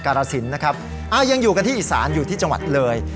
รสินนะครับยังอยู่กันที่อีสานอยู่ที่จังหวัดเลย